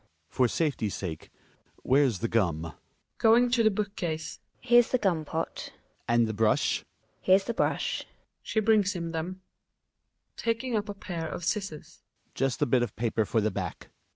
For safety's sake Where's the gum ? Gin A {going to the book case). Here's the gum pot Hjalmar. And the brush ? GiNA. Here's the brush. {She brings him them.) Hjalmar {taking up a pair of scissors). Just a bit of paper for the back.